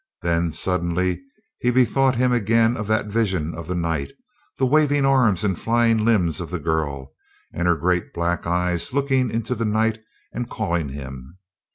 Then suddenly he bethought him again of that vision of the night the waving arms and flying limbs of the girl, and her great black eyes looking into the night and calling him.